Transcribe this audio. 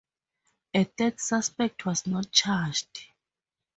A third suspect was not charged.